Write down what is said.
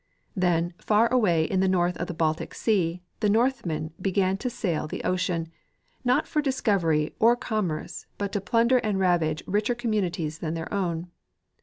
Then, far awa}^ in the north on the Baltic sea, the Northmen began to sail the ocean, not for discovery or commerce but to plunder and ravage richer countries than their own.